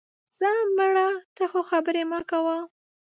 ځه مړه، ته خو خبرې مه کوه